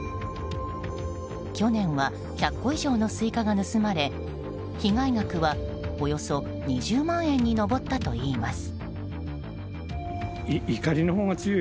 去年は１００個以上のスイカが盗まれ被害額は、およそ２０万円に上ったといいます。